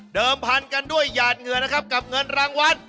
เดิมพันกันด้วยหย่านเงินนะครับกับเงินรางวัล